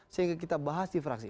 sehingga kita bahas di fraksi